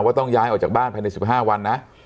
ต้องย้ายออกจากบ้านภายใน๑๕วันนะ